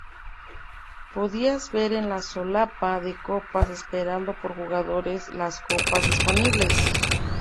Podías ver en la solapa de copas esperando por jugadores las copas disponibles.